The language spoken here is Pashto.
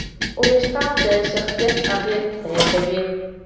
وېښتيان د شخصیت اغېز زیاتوي.